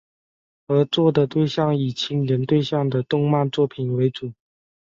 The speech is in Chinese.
合作的对象以青年对象的动漫作品为主。